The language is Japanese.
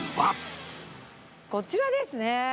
こちらですね。